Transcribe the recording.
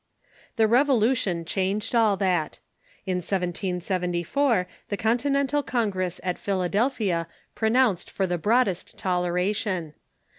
The Revolution changed all that. In 1774 the Continental Congress at Philadelphia pronounced for the broadest tolera tion.